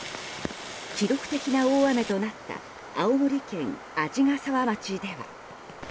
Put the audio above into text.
記録的な大雨となった青森県鰺ヶ沢町では。